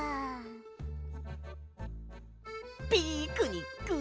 ピクニック！